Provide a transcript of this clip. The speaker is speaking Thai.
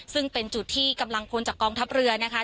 ซึ่งเป็นจุดที่กำลังพลจากกองทัพเรือนะคะ